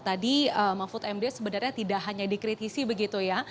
tadi mahfud md sebenarnya tidak hanya dikritisi begitu ya